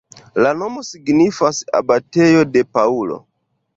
La nomo signifas abatejo de Paŭlo.